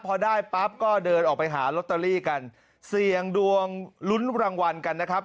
พอได้ปั๊บก็เดินออกไปหาลอตเตอรี่กันเสี่ยงดวงลุ้นรางวัลกันนะครับ